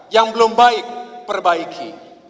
yang belum baik perbaiki